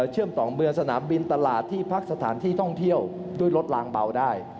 เชื่อมต่อเมืองสนามบินตลาดที่พักสถานที่ท่องเที่ยวด้วยรถลางเบาได้